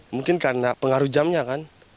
mungkin karena pengaruh jamnya kan